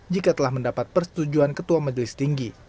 jika telah mendapat persetujuan ketua majelis tinggi